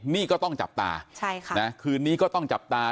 นี่ก็ต้องจับตาคืนนี้ก็ต้องจับตา